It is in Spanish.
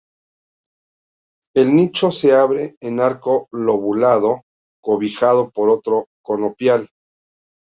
El nicho se abre en arco lobulado, cobijado por otro conopial.